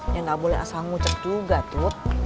ya gak boleh asal ngucak juga tut